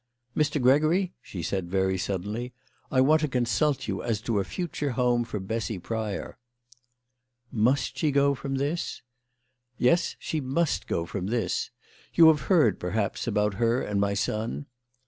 "Mr. Gregory," she said very suddenly, "I want to consult you as to a future home for Bessy Pryor." " Must she go from this ?"" Yes ; she must go from this. You have heard, perhaps, about her and my son."